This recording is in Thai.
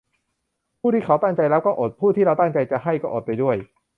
ผู้ที่เขาตั้งใจรับก็อด ผู้ที่เราตั้งใจจะให้ก็อดไปด้วย